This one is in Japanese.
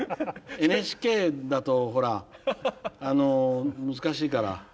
ＮＨＫだとほら難しいから。